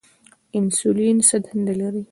انسولین څه دنده لري؟